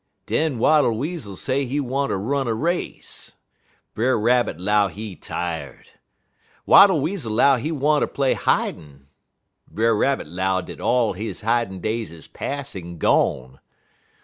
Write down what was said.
"Den Wattle Weasel say he want er run a race. Brer Rabbit 'low he tired. Wattle Weasel 'low he want er play hidin'. Brer Rabbit 'low dat all he hidin' days is pas' en gone.